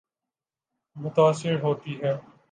متاثر ہوتی ہے۔